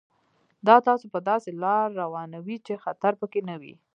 دا تاسو په داسې لار روانوي چې خطر پکې نه وي.